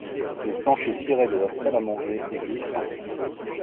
Le plancher ciré de la salle à manger est glissant.